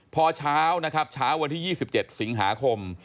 พอเช้านะครับเช้าวันที่๒๗สิงหาคม